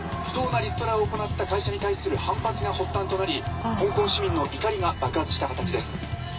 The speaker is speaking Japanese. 不当なリストラを行った会社に対する反発が発端となり香港市民の怒りが爆発した形です。